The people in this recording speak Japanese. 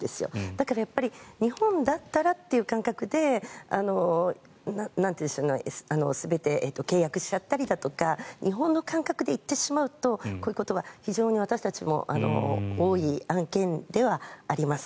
だからやっぱり日本だったらという感覚で全て契約しちゃったりだとか日本の感覚で行ってしまうとこういうことは非常に私たちも多い案件ではあります。